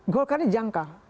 golkar ini jangka